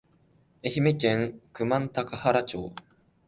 愛媛県久万高原町